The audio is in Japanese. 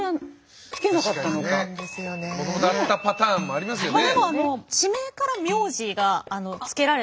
もともとあったパターンもありますよね。